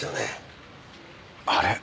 あれ？